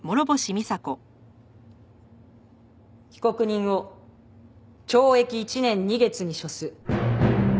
被告人を懲役１年２月に処す。